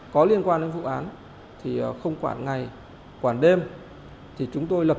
có lẽ là trong suốt quãng đời còn lại